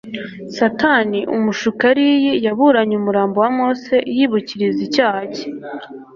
Satani umushukariyi yaburanye umurambo wa Mose yibukiriza icyaha cye,